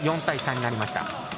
４対３になりました。